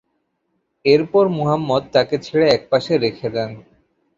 এরপর মুহাম্মদ তাকে ছেড়ে একপাশে রেখে দেন।